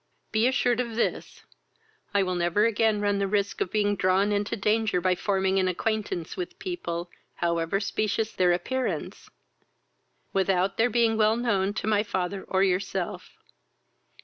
Be assured of this, I will never again run the risk of being drawn into danger by forming an acquaintance with people, however specious their appearance, without their being well known to my father or yourself.